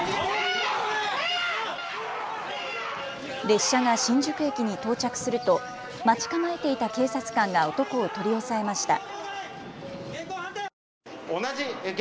列車が新宿駅に到着すると待ち構えていた警察官が男を取り押さえました。